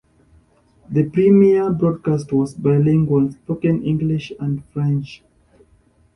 The premiere broadcast was bilingual, spoken in English and French.